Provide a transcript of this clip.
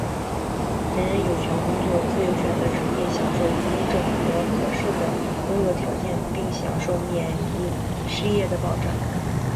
人人有权工作、自由选择职业、享受公正和合适的工作条件并享受免于失业的保障。